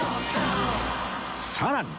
さらに